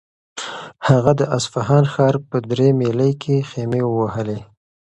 هغه د اصفهان ښار په درې میلۍ کې خیمې ووهلې.